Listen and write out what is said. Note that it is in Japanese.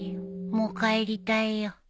もう帰りたいよ